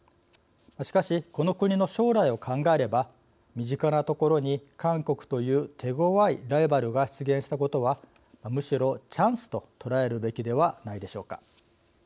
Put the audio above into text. しかし、この国の将来を考えれば身近なところに韓国という手ごわいライバルが出現したことはむしろチャンスと捉えるべきではないでしょうか。